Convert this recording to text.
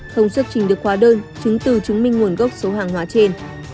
không xuất trình được hóa đơn chứng từ chứng minh nguồn gốc số hàng hóa trên